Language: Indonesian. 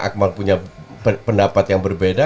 akmal punya pendapat yang berbeda